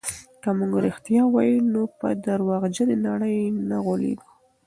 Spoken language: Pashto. که موږ رښتیا ووایو نو په درواغجنې نړۍ نه غولېږو.